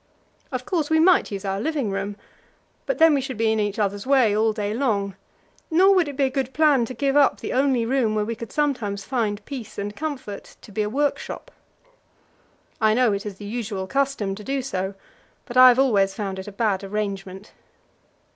Of course, we might use our living room, but then we should be in each other's way all day long; nor would it be a good plan to give up the only room where we could sometimes find peace and comfort to be a workshop. I know it is the usual custom to do so, but I have always found it a bad arrangement.